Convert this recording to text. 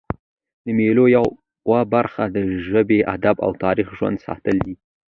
د مېلو یوه برخه د ژبي، ادب او تاریخ ژوندي ساتل دي.